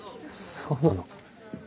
そうなの？